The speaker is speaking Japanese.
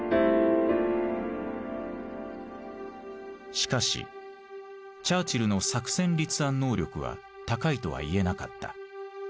しかしチャーチルの作戦立案能力は高いとは言えなかった。